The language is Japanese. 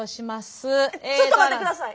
えっちょっと待って下さい。